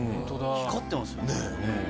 光ってますよ。